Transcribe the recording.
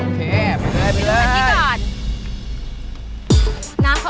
โอเคไปเลยไปเลย